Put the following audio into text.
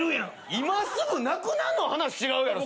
今すぐなくなんのは話違うやろ。